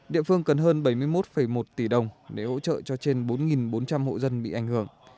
địa phương cần hơn bảy mươi một một tỷ đồng để hỗ trợ cho trên bốn bốn trăm linh hộ dân bị ảnh hưởng